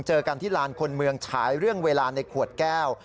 เจอกันที่ลานคนเมืองฉายเรื่องเวลาในขวดแก้ว